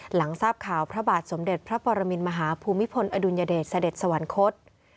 หลังทราบข่าวพระบาทสมเด็จพระปรมินมหาภูมิพลอดุลยเดชเสด็จสวรรคต